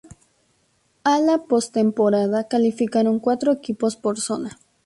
A la postemporada calificaron cuatro equipos por zona.